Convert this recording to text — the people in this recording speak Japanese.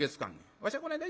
わしゃこないだ